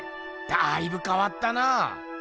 だいぶかわったな。